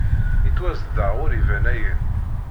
Yettwazdeɣ ur iban ayen!